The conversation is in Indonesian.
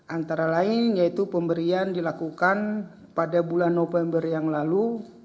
antara lain yaitu pemberian dilakukan pada bulan november yang lalu dua ribu tujuh belas